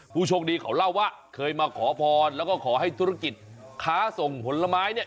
ผู้โชคดีเขาเล่าว่าเคยมาขอพรแล้วก็ขอให้ธุรกิจค้าส่งผลไม้เนี่ย